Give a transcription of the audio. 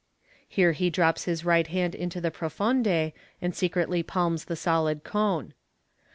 (Here he drops his right hand to the profonde, and secretly palms the solid cone.)